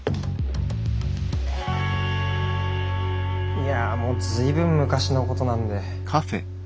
いやもう随分昔のことなんで。